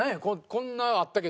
こんなんあったけど。